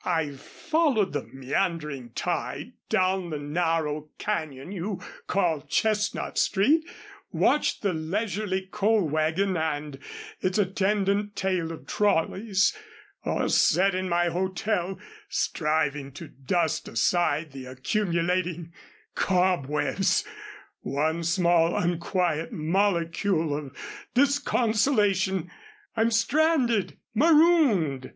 "I've followed the meandering tide down the narrow cañon you call Chestnut Street, watched the leisurely coal wagon and its attendant tail of trolleys, or sat in my hotel striving to dust aside the accumulating cobwebs, one small unquiet molecule of disconsolation. I'm stranded marooned.